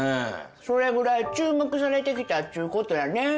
それぐらい注目されてきたっちゅうことやね。